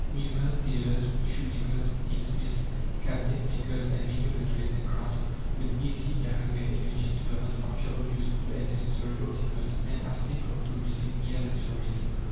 Weavers, tailors, shoemakers, tinsmiths, cabinet makers, and many other trades and crafts could easily direct their energies to the manufacture of useful and necessary articles, and abstain from producing mere luxuries.